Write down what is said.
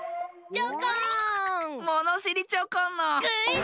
「ものしりチョコンの」。